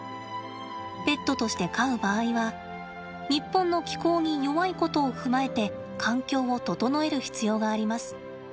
ペットとして飼う場合は日本の気候に弱いことを踏まえて環境を整える必要があります。